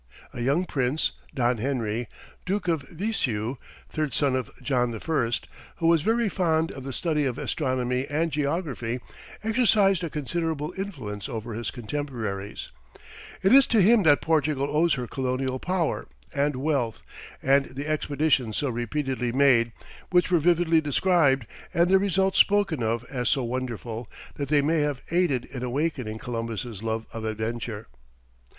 A young prince, Don Henry, duke of Viseu, third son of John I., who was very fond of the study of astronomy and geography, exercised a considerable influence over his contemporaries; it is to him that Portugal owes her colonial power and wealth and the expeditions so repeatedly made, which were vividly described, and their results spoken of as so wonderful, that they may have aided in awakening Columbus' love of adventure.